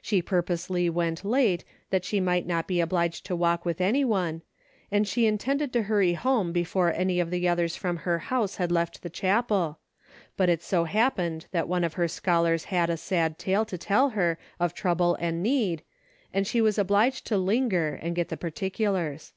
She purposely went late that she might not be obliged to walk with any one, and she intended to hurry home before any of the others from their house had left the chapel, but it so hap pened that one of her scholars had a sad tale to tell her of trouble and need, and she was obliged to linger and get the particulars.